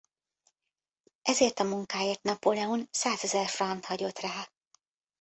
Ezért a munkáért Napóleon százezer franc-t hagyott rá.